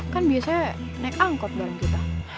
kan biasanya naik angkot barang kita